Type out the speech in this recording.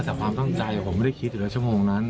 แต่ความตั้งใจผมไม่ได้คิดอยู่แล้วชั่วโมงนั้น